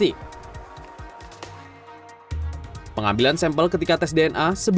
jika di situ mungkin tidak ada kecuali produk atau tiap pasuk